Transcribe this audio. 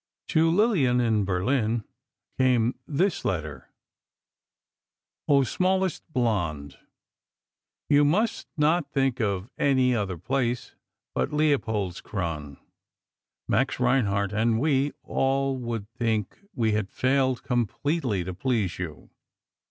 To Lillian, in Berlin, came this letter: O smallest blonde: You must not think of any other place but Leopoldskron! Max Reinhardt and we all would think that we had failed completely to please you.